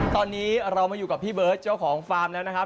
ตอนนี้เรามาอยู่กับพี่เบิร์ตเจ้าของฟาร์มแล้วนะครับ